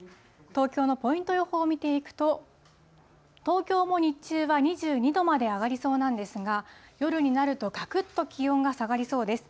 東京のポイント予報を見ていくと、東京も日中は２２度まで上がりそうなんですが、夜になると、がくっと気温が下がりそうです。